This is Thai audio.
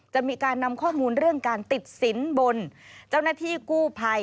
จะมีการนำข้อมูลเรื่องการติดสินบนเจ้าหน้าที่กู้ภัย